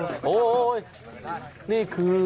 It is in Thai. โอ้โหนี่คือ